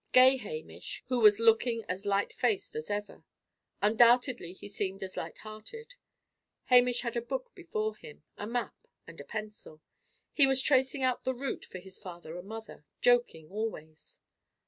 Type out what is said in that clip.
Gay Hamish, who was looking as light faced as ever; undoubtedly, he seemed as light hearted. Hamish had a book before him, a map, and a pencil. He was tracing out the route for his father and mother, joking always.